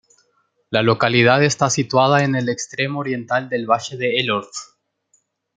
La localidad está situada en el extremo oriental del Valle de Elorz.